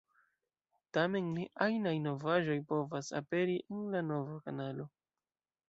Tamen, ne ajnaj novaĵoj povas aperi en la nova kanalo.